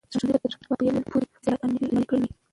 ښوونځي به تر پایه پورې اصلاحات عملي کړي وي.